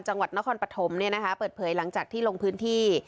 จังหวัดนครปฐมเปิดเผยหลังจากที่ลงพื้นที่